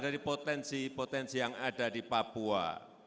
dari potensi potensi yang ada di papua